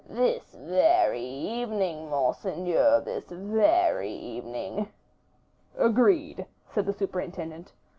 "This very evening, monseigneur, this very evening." "Agreed," said the superintendent.